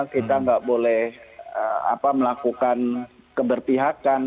kita nggak boleh melakukan keberpihakan